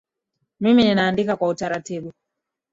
Mimi ninaandika kwa utaratibu